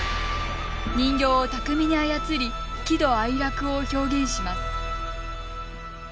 人形を巧みに操り喜怒哀楽を表現します。